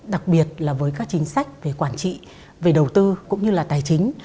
đặc biệt là với các chính sách về quản trị về đầu tư cũng như là tài chính